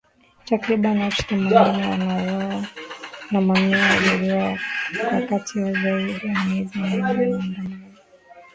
Takribani watu themanini wameuawa na mamia kujeruhiwa wakati wa zaidi ya miezi minne ya maandamano ya kudai utawala wa kiraia na haki huko Uganda.